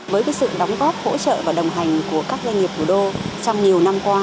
với sự đóng góp hỗ trợ và đồng hành của các doanh nghiệp thủ đô trong nhiều năm qua